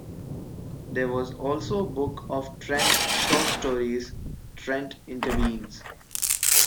There was also a book of Trent short stories, "Trent Intervenes".